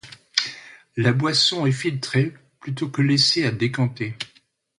La boisson est filtrée plutôt que laissée à décanter.